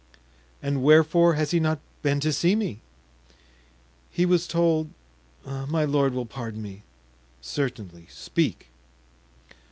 "And wherefore has he not been to see me?" "He was told—my lord will pardon me——" "Certainly, speak."